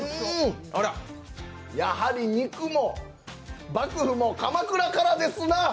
やはり肉も、幕府も鎌倉からですな。